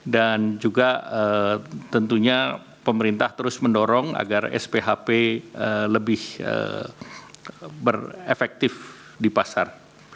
dan juga tentunya pemerintah terus mendorong agar sphp lebih efektif di pasar